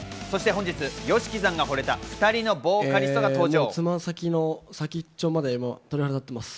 本日ＹＯＳＨＩＫＩさんが惚れた２人のボーカリストが登場。